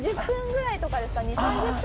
２０分くらいとかですか？